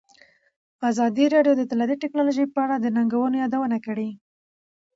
ازادي راډیو د اطلاعاتی تکنالوژي په اړه د ننګونو یادونه کړې.